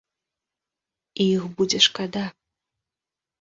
І іх будзе шкада.